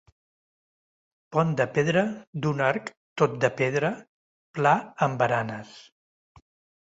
Pont de pedra d'un arc tot de pedra, pla amb baranes.